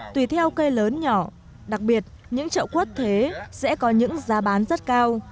tùy theo cây lớn nhỏ đặc biệt những trậu quất thế sẽ có những giá bán rất cao